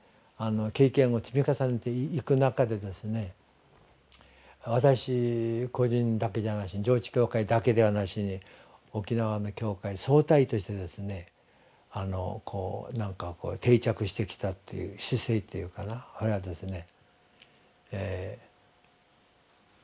経験を積み重ねていく中で私個人だけじゃなしに上地教会だけではなしに沖縄の教会総体としてですね定着してきたっていう姿勢っていうかなそれはですね。